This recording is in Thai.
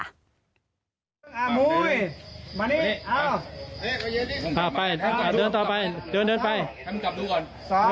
อ้าวไปโดยจะต่อไป